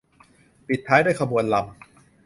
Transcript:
ปิดท้ายด้วยขบวนรำ